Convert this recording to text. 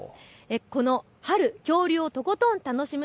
この春、恐竜をとことん楽しむ！